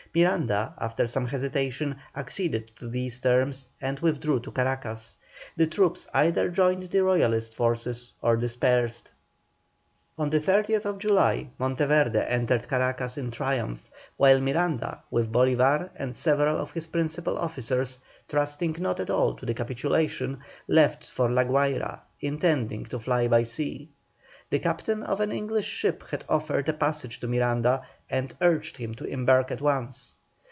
Miranda, after some hesitation, acceded to these terms, and withdrew to Caracas. The troops either joined the Royalist forces or dispersed. On the 30th July Monteverde entered Caracas in triumph, while Miranda, with Bolívar and several of his principal officers, trusting not at all to the capitulation, left for La Guayra, intending to fly by sea. The captain of an English ship had offered a passage to Miranda, and urged him to embark at once.